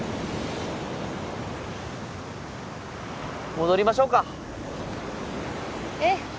戻りましょうかええ